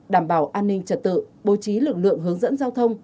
đảm bảo an ninh trật tự bố trí lực lượng hướng dẫn giao thông